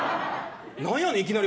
なんやねん、いきなり。